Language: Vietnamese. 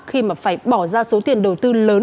khi mà phải bỏ ra số tiền đầu tư lớn